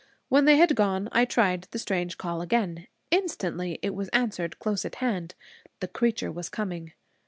When they had gone I tried the strange call again. Instantly it was answered close at hand. The creature was coming.